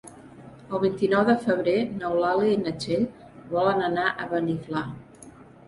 El vint-i-nou de febrer n'Eulàlia i na Txell volen anar a Beniflà.